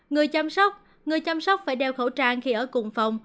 người chăm sóc người chăm sóc phải đeo khẩu trang khi ở cùng phòng